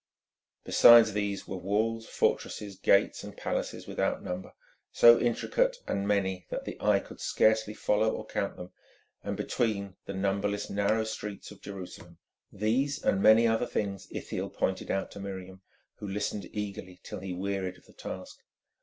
Besides these were walls, fortresses, gates and palaces without number, so intricate and many that the eye could scarcely follow or count them, and, between, the numberless narrow streets of Jerusalem. These and many other things Ithiel pointed out to Miriam, who listened eagerly till he wearied of the task.